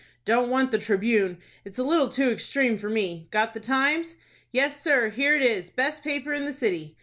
"Don't want the 'Tribune.' It's a little too extreme for me. Got the 'Times'?" "Yes, sir. Here it is. Best paper in the city!"